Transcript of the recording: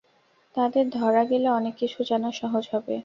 তাদের ধরা গেলে অনেক কিছু জানা সহজ হবে।